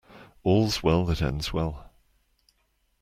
All's well that ends well.